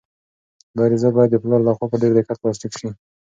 دا عریضه باید د پلار لخوا په ډېر دقت لاسلیک شي.